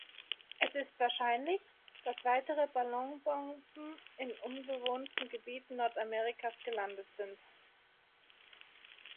Es ist wahrscheinlich, dass weitere Ballonbomben in unbewohnten Gebieten Nordamerikas gelandet sind.